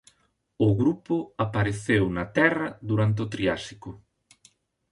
O grupo apareceu na Terra durante o Triásico.